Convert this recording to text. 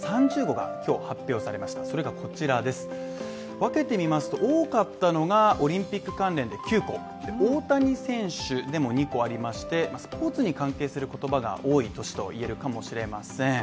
分けてみますと、多かったのが、オリンピック関連で９本大谷選手でも２個ありまして、スポーツに関係する言葉が多い年といえるかもしれません。